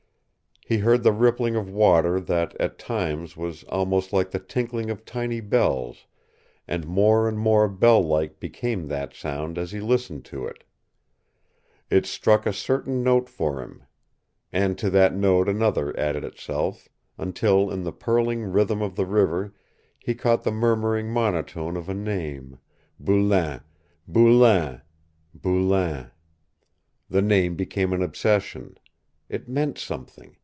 He heard the rippling of water that at times was almost like the tinkling of tiny bells, and more and more bell like became that sound as he listened to it. It struck a certain note for him. And to that note another added itself, until in the purling rhythm of the river he caught the murmuring monotone of a name Boulain Boulain Boulain. The name became an obsession. It meant something.